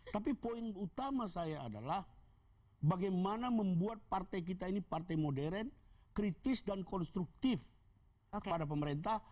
tapi poin utama saya adalah bagaimana membuat partai kita ini partai modern kritis dan konstruktif kepada pemerintah